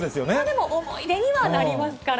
でも、思い出にはなりますから。